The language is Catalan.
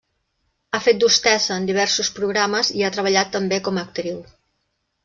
Ha fet d'hostessa en diversos programes i ha treballat també com a actriu.